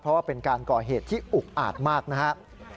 เพราะว่าเป็นการก่อเหตุที่อุกอาจมากนะครับ